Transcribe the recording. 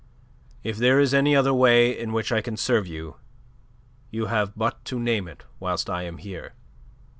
If there is any other way in which I can serve you, you have but to name it whilst I am here."